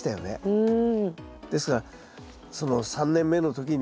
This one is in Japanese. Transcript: うん。